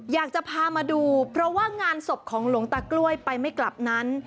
อยากจะพามาดูเพราะว่างานศพของหลวงตากล้วยไปไม่กลับนั้น